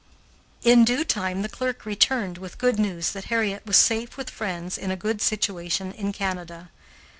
In due time the clerk returned with the good news that Harriet was safe with friends in a good situation in Canada.